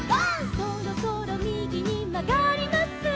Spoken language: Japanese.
「そろそろみぎにまがります」